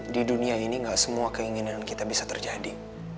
di dunia ini gak semua keinginan kita bisa terjadi